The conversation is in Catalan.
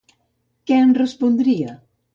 —Què en respondria?